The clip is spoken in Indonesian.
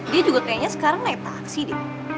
dia juga kayaknya sekarang naik taksi dia